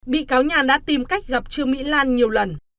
bị cáo nhàn đã tìm cách gặp trương mỹ lan nhiều lần